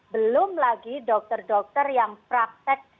belum lagi dokter dokter yang praktek